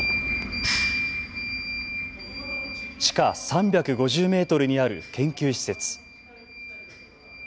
地下３５０メートルにある研究施設。